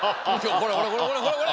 これこれこれこれ！